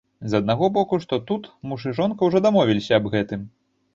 З аднаго боку, што тут, муж і жонка ўжо дамовіліся аб гэтым.